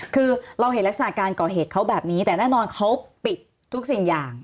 คือเราเห็นลักษณะการก่อเหตุเขาแบบนี้แต่แน่นอนเขาปิดทุกสิ่งอย่าง